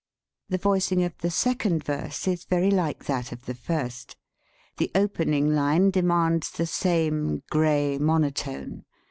The voicing of the second verse is very like that of the first. The opening line demands the same gray mono tone.